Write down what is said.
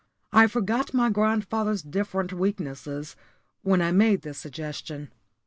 I forgot my grandfather's different weaknesses, when I made this suggestion.